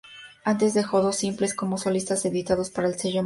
Antes dejó dos simples como solista editados para el sello Mandioca.